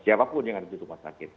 siapapun yang ada di rumah sakit